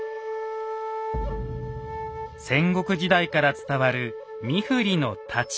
戦国時代から伝わる三振の太刀。